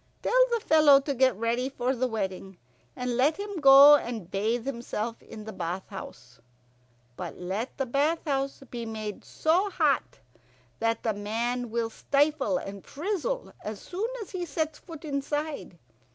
"Tell the fellow to get ready for the wedding, and let him go and bathe himself in the bath house. But let the bath house be made so hot that the man will stifle and frizzle as soon as he sets foot inside.